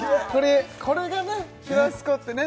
これがね